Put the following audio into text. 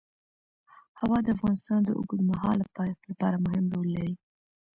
هوا د افغانستان د اوږدمهاله پایښت لپاره مهم رول لري.